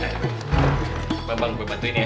apa bang boleh bantuin ya